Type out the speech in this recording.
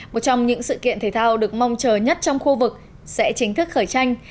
một trong những sự kiện thể thao được mong chờ nhất trong khu vực sẽ chính thức khởi tranh